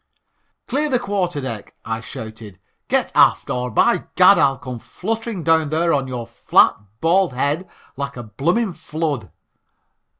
"Clear the quarter deck," I shouted, "get aft, or, by gad, I'll come fluttering down there on your flat, bald head like a blooming flood.